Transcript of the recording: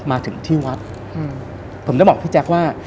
มาถึงที่วัดผมได้บอกพี่แจ๊คว่า